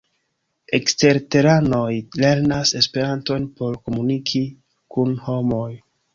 Eksterteranoj lernas Esperanton por komuniki kun homoj.